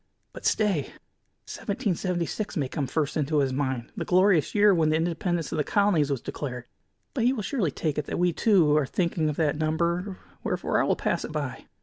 But, stay! Seventeen seventy six may come first into his mind, the glorious year when the independence of the colonies was declared. But he will surely take it that we, too, are thinking of that number, wherefore I will pass it by."